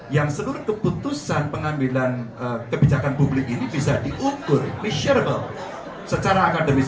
yang seluruh keputusan pengambilan kebijakan publik ini bisa diukur reshuable secara akademis